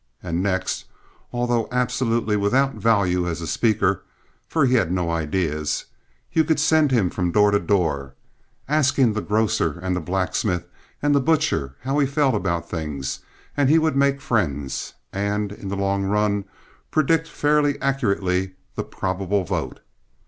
And next—although absolutely without value as a speaker, for he had no ideas—you could send him from door to door, asking the grocer and the blacksmith and the butcher how he felt about things and he would make friends, and in the long run predict fairly accurately the probable vote.